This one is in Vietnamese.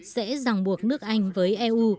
sẽ rằng buộc nước anh với eu